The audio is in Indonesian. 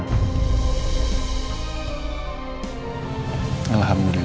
saat andi melihat kalau makam itu kosong